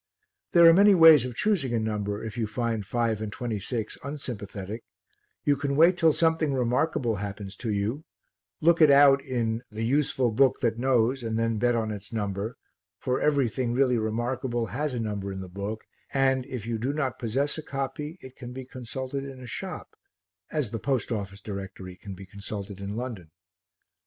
There are many ways of choosing a number if you find five and twenty six unsympathetic; you can wait till something remarkable happens to you, look it out in "the useful book that knows" and then bet on its number, for everything really remarkable has a number in the book and, if you do not possess a copy, it can be consulted in a shop as the Post Office Directory can be consulted in London.